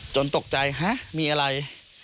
จนตกใจอ่ะฮ๊ะมีอะไร